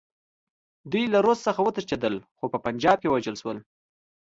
دوی له روس څخه وتښتېدل، خو په پنجاب کې ووژل شول.